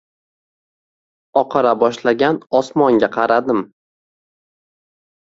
Oqara boshlagan osmonga qaradim